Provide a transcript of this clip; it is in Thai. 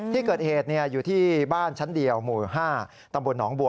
ที่เกิดเหตุอยู่ที่บ้านชั้นเดียวหมู่๕ตำบลหนองบัว